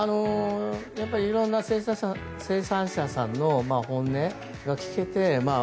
やっぱり、いろんな生産者さんの本音が聞けて。